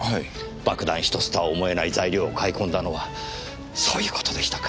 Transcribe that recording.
爆弾１つとは思えない材料を買い込んだのはそういう事でしたか。